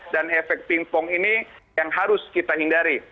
dan efek pingpong ini yang harus kita hindari